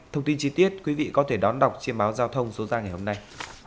thông tin chi tiết quý vị có thể đón đọc trên báo giao thông số ra ngày hôm nay